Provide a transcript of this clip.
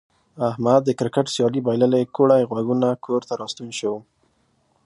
احمد د کرکټ سیالي بایللې کوړی غوږونه کور ته راستون شو.